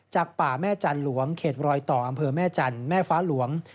ป่าแม่จันทร์หลวงเขตรอยต่ออำเภอแม่จันทร์แม่ฟ้าหลวง